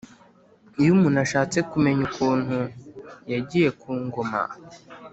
iyo umuntu ashatse kumenya ukuntu yagiye ku ngoma.